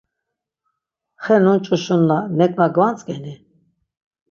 Xe nunç̆uşunna nek̆na gvantzk̆eni?